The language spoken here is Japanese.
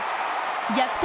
逆転